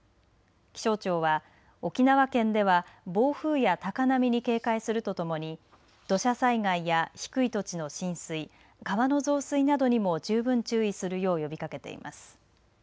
気象庁は、沖縄県では暴風や高波に警戒するとともに土砂災害や低い土地の浸水川の増水などにも十分注意するよう呼びかけています。